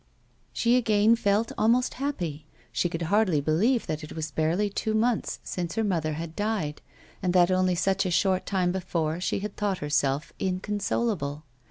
She again felt almost happy. She could hardly believe that it was barely two months since her mother had died, and that only such a short time before she had thought herself inconsolable.